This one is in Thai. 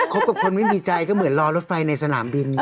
กับคนไม่ดีใจก็เหมือนรอรถไฟในสนามบิน